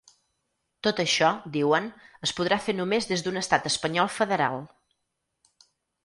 Tot això, diuen, es podrà fer només des d’un estat espanyol federal.